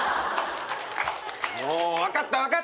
もう分かった分かった。